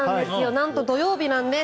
なんと土曜日なんです。